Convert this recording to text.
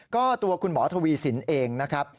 ก็ตัวคุณหมอทวีสินเองนะครับ